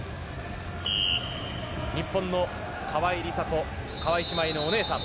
日本の川井梨紗子、川井姉妹のお姉さん。